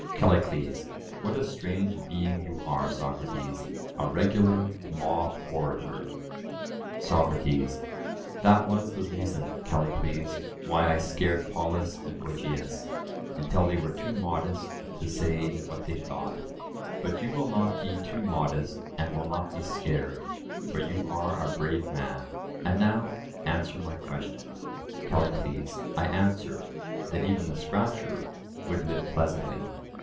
CALLICLES: What a strange being you are, Socrates! a regular mob orator. SOCRATES: That was the reason, Callicles, why I scared Polus and Gorgias, until they were too modest to say what they thought; but you will not be too modest and will not be scared, for you are a brave man. And now, answer my question. CALLICLES: I answer, that even the scratcher would live pleasantly.